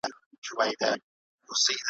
زما ښکلې لمسۍ مُنانۍ `